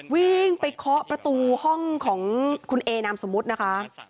วิ่งไปเคาะประตูห้องของคุณเอนามสมมุตินะคะ